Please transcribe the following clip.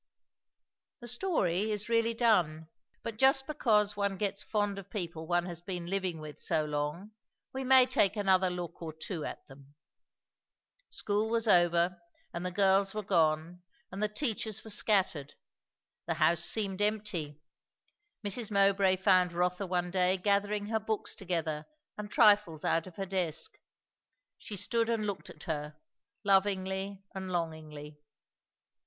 The story is really done; but just because one gets fond of people one has been living with so long, we may take another look or two at them. School was over, and the girls were gone, and the teachers were scattered; the house seemed empty. Mrs. Mowbray found Rotha one day gathering her books together and trifles out of her desk. She stood and looked at her, lovingly and longingly.